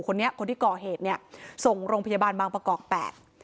คนนี้คนที่ก่อเหตุเนี่ยส่งโรงพยาบาลบางประกอบแปด